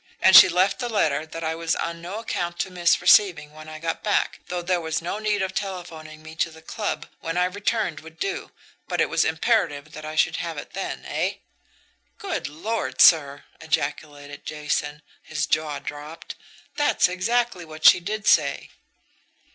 And she left the letter that I was on no account to miss receiving when I got back, though there was no need of telephoning me to the club when I returned would do, but it was imperative that I should have it then eh?" "Good Lord, sir!" ejaculated Jason, his jaw dropped, "that's exactly what she did say."